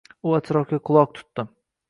U atrofga quloq tutdi.